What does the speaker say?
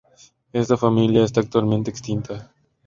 Esta familia está actualmente extinta.